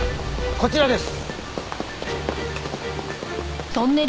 こちらです。